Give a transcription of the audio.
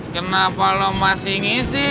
kenapa lo masih ngisi